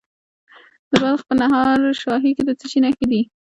د بلخ په نهر شاهي کې د څه شي نښې دي؟